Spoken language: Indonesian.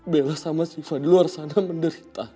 bella sama siva di luar sana menderita